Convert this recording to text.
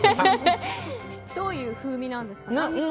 どういう風味ですか？